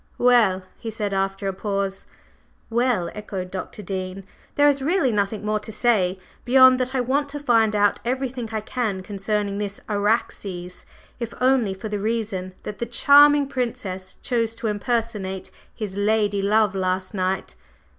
"Well?" he said after a pause. "Well," echoed Dr. Dean. "There is really nothing more to say beyond that I want to find out everything I can concerning this Araxes, if only for the reason that the charming Princess chose to impersonate his lady love last night.